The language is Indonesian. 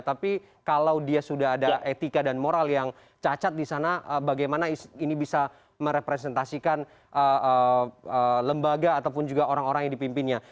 tapi kalau dia sudah ada etika dan moral yang cacat di sana bagaimana ini bisa merepresentasikan lembaga ataupun juga orang orang yang dipimpinnya